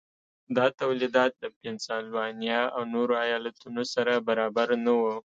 دا تولیدات د پنسلوانیا او نورو ایالتونو سره برابر نه وو.